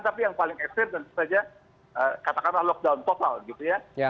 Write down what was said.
tapi yang paling ekstern dan setuju katakanlah lockdown total gitu ya